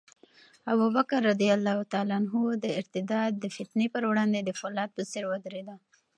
ابوبکر رض د ارتداد د فتنې پر وړاندې د فولاد په څېر ودرېد.